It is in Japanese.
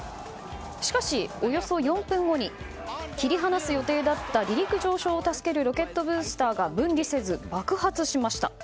しかしおよそ４分後に切り離す予定だった離陸上昇を助けるロケットブースターが分離せず爆発しました。